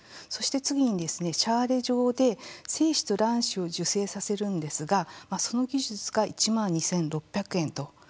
そして次に、シャーレ上で精子と卵子を受精させるんですがその技術が１万２６００円と。